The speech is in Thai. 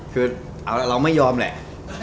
คือเอาละเราไม่ยอมแหละ